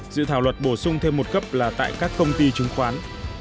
dự thảo luật bổ sung thêm một cấp là tại các công ty chứng khoán